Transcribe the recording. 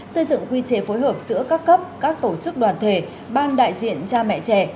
xây dựng quy chế phối hợp giữa các cấp các tổ chức đoàn thể ban đại diện cha mẹ trẻ